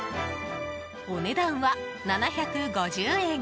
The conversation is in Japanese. お値段は７５０円。